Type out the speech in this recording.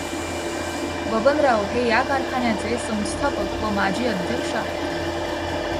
बबनराव हे या कारखान्याचे संस्थापक व माजी अध्यक्ष आहेत.